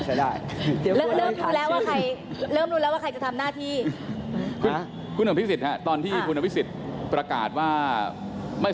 เริ่มรู้แล้วว่าใครจะทำหน้าที่